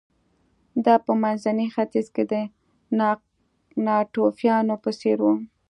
دا په منځني ختیځ کې د ناتوفیانو په څېر و